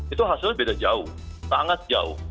itu hasilnya beda jauh sangat jauh